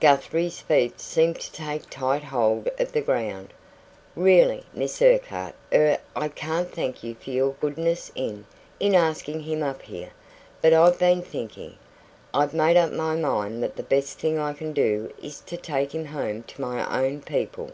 Guthrie's feet seemed to take tight hold of the ground. "Really, Miss Urquhart er I can't thank you for your goodness in in asking him up here but I've been thinking I've made up my mind that the best thing I can do is to take him home to my own people."